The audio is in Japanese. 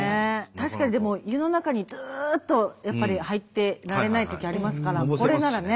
確かにでも湯の中にずっとやっぱり入ってられないときありますからこれならね。